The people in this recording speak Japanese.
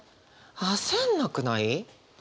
焦んなくないか？